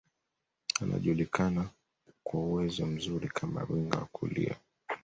Anajulikana kwa uwezo mzuri kama winga wa kulia